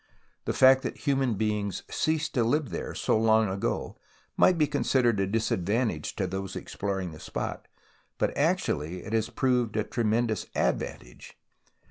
The fact that human beings ceased to five there so long ago might be considered a disadvantage to those exploring the spot, but actually it has proved a tremendous advantage.